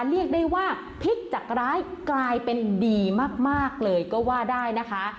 เรียกได้ว่าพลิกจากร้ายกลายเป็นดีมากเลยก็ว่าได้นะคะ